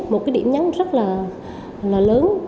một cái điểm nhấn rất là lớn